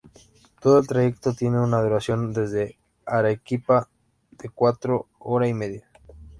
Todo el trayecto tiene una duración desde Arequipa de cuatro hora y media.